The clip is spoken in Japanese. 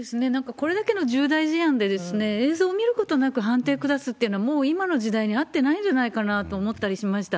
これだけの重大事案で、映像を見ることなく判定下すっていうのは、もう今の時代に合ってないんじゃないかなと思ったりしました。